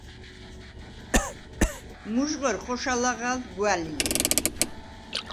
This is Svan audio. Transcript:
მუჟღუ̂ერ ხოშა ლაღა̈ლდ გუ̂ა̈ლი ლი.